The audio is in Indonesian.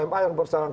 senin sorenya ott